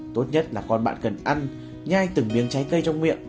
tốt nhất là con bạn cần ăn nhai từng miếng trái cây trong miệng